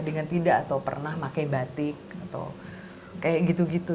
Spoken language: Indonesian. dengan tidak atau pernah pakai batik atau kayak gitu gitu